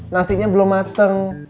nasinya belum mateng